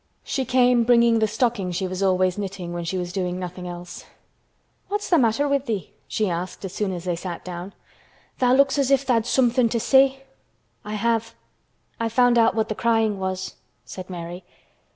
She came bringing the stocking she was always knitting when she was doing nothing else. "What's the matter with thee?" she asked as soon as they sat down. "Tha' looks as if tha'd somethin' to say." "I have. I have found out what the crying was," said Mary.